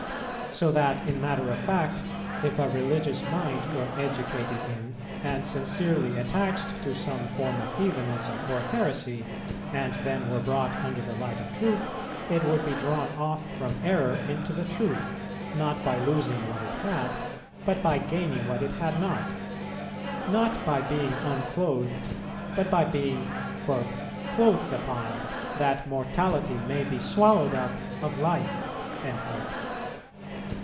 So that, in matter of fact, if a religious mind were educated in and sincerely attached to some form of heathenism or heresy, and then were brought under the light of truth, it would be drawn off from error into the truth, not by losing what it had, but by gaining what it had not, not by being unclothed, but by being 'clothed upon,' 'that mortality may be swallowed up of life.'